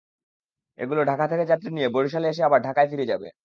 এগুলো ঢাকা থেকে যাত্রী নিয়ে বরিশালে এসে আবার ঢাকায় ফিরে যাবে।